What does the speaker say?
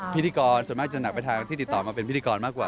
พิธีกรส่วนมากจะหนักไปทางที่ติดต่อมาเป็นพิธีกรมากกว่า